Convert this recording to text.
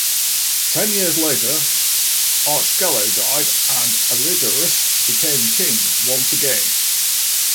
Ten years later, Archgallo died and Elidurus became king once again.